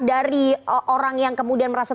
dari orang yang kemudian merasa